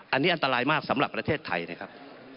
อันนี้อันตรายมากสำหรับประเทศไทยนะครับ